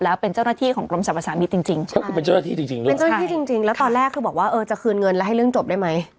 เอ๋เป็นเจ้าหน้าที่จริงหรือเปล่า